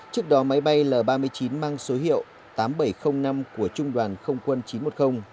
trước đó máy bay l ba mươi chín mang số hiệu tám nghìn bảy trăm linh năm của trung đoàn không quân chín trăm một mươi